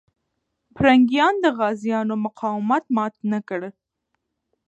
پرنګیان د غازيانو مقاومت مات نه کړ.